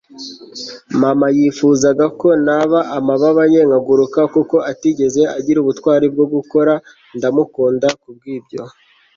mama yifuzaga ko naba amababa ye, nkaguruka kuko atigeze agira ubutwari bwo gukora. ndamukunda kubwibyo